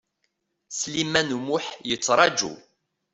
Sliman U Muḥ yettraǧu.